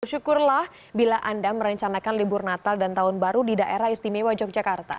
syukurlah bila anda merencanakan libur natal dan tahun baru di daerah istimewa yogyakarta